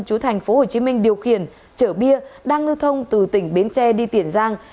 chú thành phố hồ chí minh điều khiển chở bia đang lưu thông từ tỉnh bến tre đi tiền giang